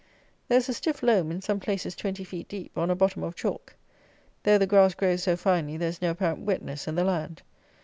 There is a stiff loam, in some places twenty feet deep, on a bottom of chalk. Though the grass grows so finely, there is no apparent wetness in the land.